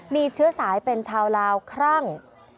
มีเชื้อสายเป็นชาวลาวครั่ง